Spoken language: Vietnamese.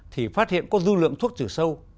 thì phát hiện có dư lượng thuốc trừ sâu